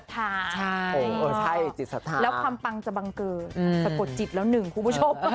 ถ้ามีโอกาสเนอะก็ได้ค่ะ